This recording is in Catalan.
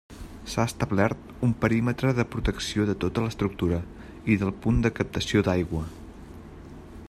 S'ha establert un perímetre de protecció de tota l'estructura i del punt de captació d'aigua.